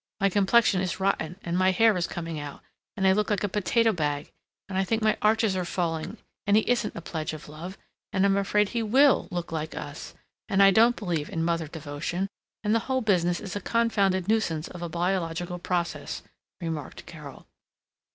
My complexion is rotten, and my hair is coming out, and I look like a potato bag, and I think my arches are falling, and he isn't a pledge of love, and I'm afraid he WILL look like us, and I don't believe in mother devotion, and the whole business is a confounded nuisance of a biological process," remarked Carol.